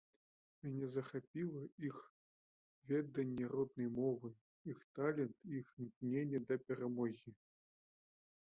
Мяне захапіла іх веданне роднай мовы, іх талент і іх імкненне да перамогі.